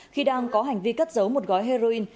khi đang có hành vi cất giấu một gói heroin